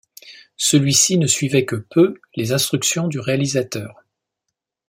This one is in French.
Celui-ci ne suivait que peu les instructions du réalisateur.